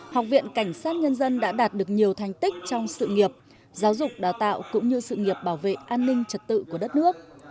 học viện cảnh sát nhân dân đã đạt được nhiều thành tích trong sự nghiệp giáo dục đào tạo cũng như sự nghiệp bảo vệ an ninh trật tự của đất nước